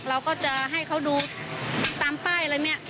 เราก็จะให้เขาดูตามป้ายอะไรเนี่ย